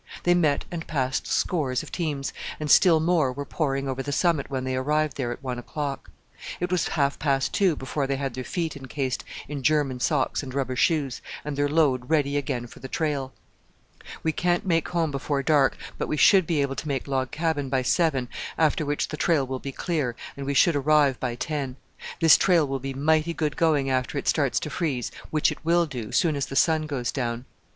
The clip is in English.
They met and passed scores of teams, and still more were pouring over the summit when they arrived there at one o'clock. It was half past two before they had their feet encased in German socks and rubber shoes, and their load ready again for the trail. "We can't make home before dark, but we should be able to make Log Cabin by seven, after which the trail will be clear, and we should arrive by ten. This trail will be mighty good going after it starts to freeze, which it will do, soon as the sun goes down."